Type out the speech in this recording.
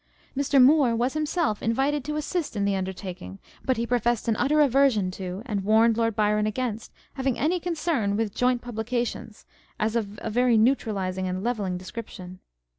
Mr. Moore was himself invited to assist in the undertaking, but he pro fessed an utter aversion to, and warned Lord Byron against having any concern with, joint publications, as of a very neutralizing and levelling description.